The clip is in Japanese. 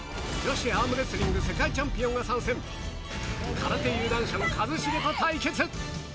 空手有段者の一茂と対決！